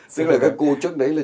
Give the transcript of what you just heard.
tức là các cô trước đấy là